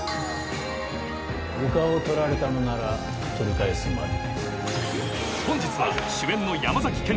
丘を取られたのなら取り返すまで。